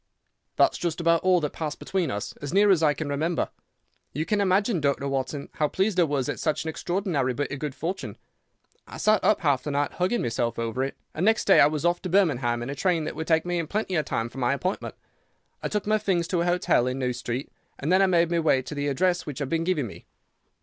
"That's just about all that passed between us, as near as I can remember. You can imagine, Dr. Watson, how pleased I was at such an extraordinary bit of good fortune. I sat up half the night hugging myself over it, and next day I was off to Birmingham in a train that would take me in plenty time for my appointment. I took my things to a hotel in New Street, and then I made my way to the address which had been given me.